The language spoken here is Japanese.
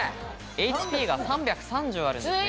ＨＰが３３０あるんですね。